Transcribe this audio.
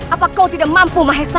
apa kau tidak mampu mahesa